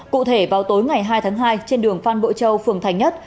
cụ thể vào tối ngày hai tháng hai trên đường phan bội châu phường thành nhất